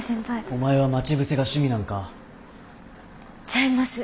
お前は待ち伏せが趣味なんか？ちゃいます。